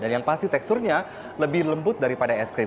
dan yang pasti teksturnya lebih lembut daripada es krim